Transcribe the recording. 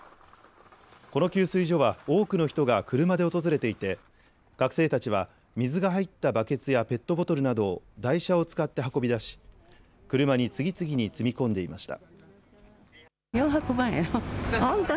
この給水所は多くの人が車で訪れていて学生たちは水が入ったバケツやペットボトルなどを台車を使って運び出し車に次々に積み込んでいました。